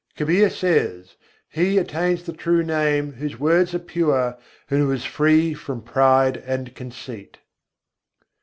Kabîr says: "He attains the true Name whose words are pure, and who is free from pride and conceit."